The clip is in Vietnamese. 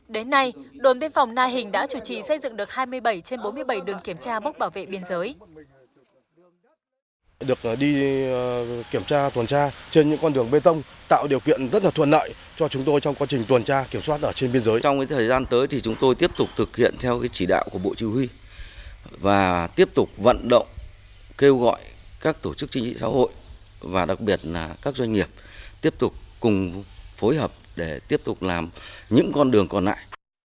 đến nay đồn biên phòng na hình đã chủ trì xây dựng được hai mươi bảy trên bốn mươi bảy đường kiểm tra mốc bảo vệ biên giới